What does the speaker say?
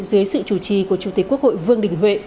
dưới sự chủ trì của chủ tịch quốc hội vương đình huệ